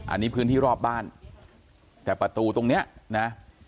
อันนี้พื้นที่รอบบ้านแต่ประตูตรงเนี้ยนะ